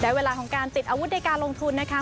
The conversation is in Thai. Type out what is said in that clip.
และเวลาของการติดอาวุธในการลงทุนนะคะ